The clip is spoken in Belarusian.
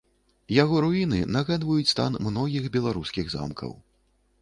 Яго руіны нагадваюць стан многіх беларускіх замкаў.